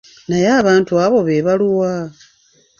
Naye abantu abo be baluwa?